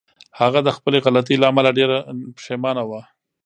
هغه د خپلې غلطۍ له امله ډېره پښېمانه وه.